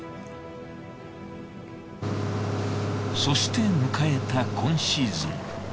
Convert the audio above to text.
そして迎えた今シーズン。